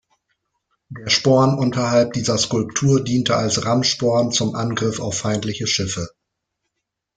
Der Sporn unterhalb dieser Skulptur diente als Rammsporn zum Angriff auf feindliche Schiffe.